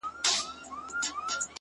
• هغه سنګین, هغه سرکښه د سیالیو وطن,